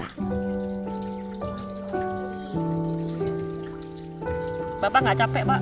bapak nggak capek pak